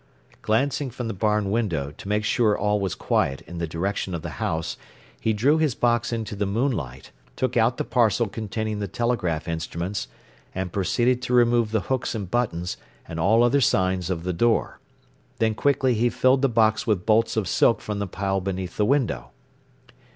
Glancing from the barn window, to make sure all was quiet in the direction of the house, he drew his box into the moonlight, took out the parcel containing the telegraph instruments, and proceeded to remove the hooks and buttons, and all other signs of the "door." Then quickly he filled the box with bolts of silk from the pile beneath the window.